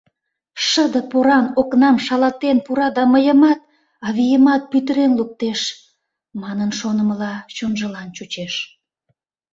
«Шыде поран окнам шалатен пура да мыйымат, авийымат пӱтырен луктеш», — манын шонымыла чонжылан чучеш.